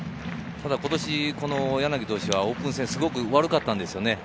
ただ今年、柳投手はオープン戦、すごく悪かったんです。